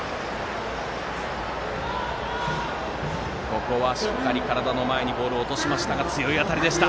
ここはしっかり体の前にボールを落としましたが強い当たりでした。